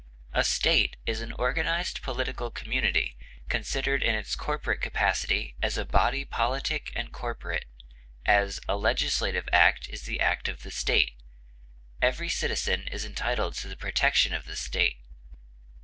A state is an organized political community considered in its corporate capacity as "a body politic and corporate;" as, a legislative act is the act of the state; every citizen is entitled to the protection of the state.